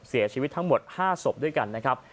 เสียชีวิตทั้งหมด๕ศพด้วยกันนะครับ